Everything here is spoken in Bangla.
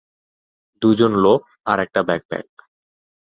দুজন লোক আর একটা ব্যাকপ্যাক।